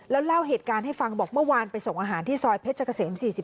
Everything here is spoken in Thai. แล้วเล่าเหตุการณ์ให้ฟังบอกเมื่อวานไปส่งอาหารที่ซอยเพชรเกษม๔๔